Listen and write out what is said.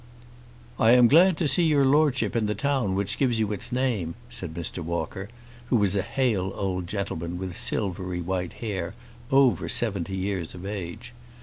"I am glad to see your Lordship in the town which gives you its name," said Mr. Walker, who was a hale old gentleman with silvery white hair, over seventy years of age.